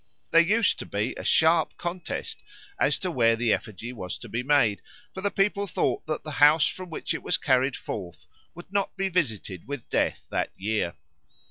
There used to be a sharp contest as to where the effigy was to be made, for the people thought that the house from which it was carried forth would not be visited with death that year.